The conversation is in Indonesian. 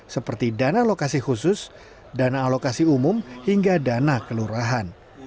seperti dana lokasi khusus dana alokasi umum hingga dana kelurahan